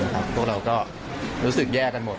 พวกเราก็รู้สึกแย่กันหมด